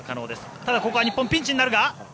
ただ、ここは日本、ピンチになるが。